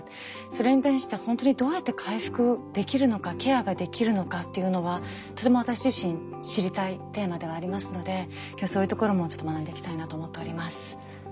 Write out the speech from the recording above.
それに対して本当にどうやって回復できるのかケアができるのかっていうのはとても私自身知りたいテーマではありますので今日そういうところも学んでいきたいなと思っております。